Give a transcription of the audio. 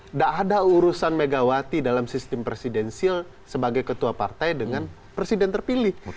tidak ada urusan megawati dalam sistem presidensil sebagai ketua partai dengan presiden terpilih